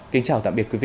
kính chào tạm biệt quý vị